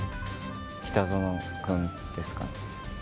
北園君ですかね。